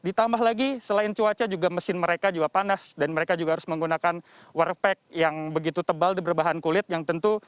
ditambah lagi selain cuaca juga mesin mereka juga panas dan mereka juga harus menggunakan warpack yang begitu tebal berbahan kulit yang tentu